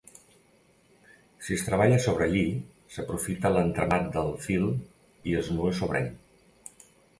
Si es treballa sobre lli, s'aprofita l'entramat del fil i es nua sobre ell.